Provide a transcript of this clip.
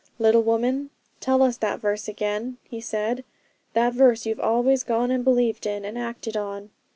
'Little woman, tell us that verse again,' he said, 'that verse as you've always gone and believed in, and acted on.'